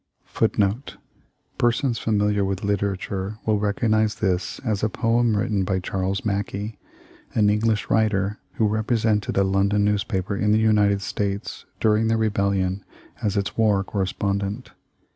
"* Judge S. H. Treat, recently deceased, thus * Persons familiar with literature will recognize this as a poem written by Charles Mackay, an English writer who repre sented a London newspaper in the United States during the Rebellion as its war correspondent.